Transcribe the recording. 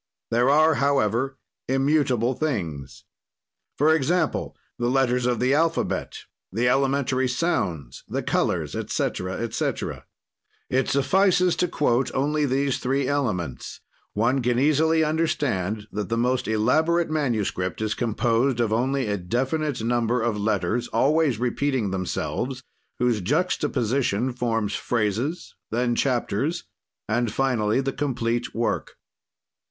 "There are, however, immutable things. "For example: the letters of the alphabet, the elementary sounds, the colors etc., etc. "It suffices to quote only these three elements; one can easily understand that the most elaborate manuscript is composed of only a definite number of letters always repeating themselves, whose juxtaposition forms phrases, then chapters, and finally the complete work.